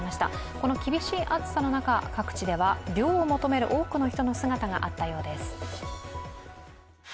この厳しい暑さの中、各地では涼を求める多くの人の姿があったようです。